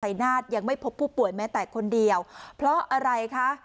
นาฏยังไม่พบผู้ป่วยแม้แต่คนเดียวเพราะอะไรคะ